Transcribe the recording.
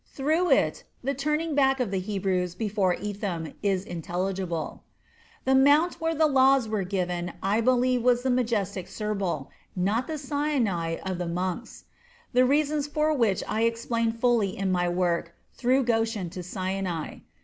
Through it, the turning back of the Hebrews before Etham is intelligible. The mount where the laws were given I believe was the majestic Serbal, not the Sinai of the monks; the reasons for which I explained fully in my work "Through Goshen to Sinai."